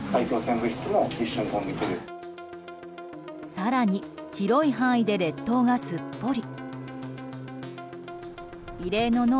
更に、広い範囲で列島がすっぽり。